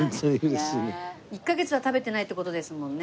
１カ月は食べてないって事ですもんね。